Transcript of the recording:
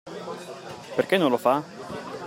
Perché non lo fa?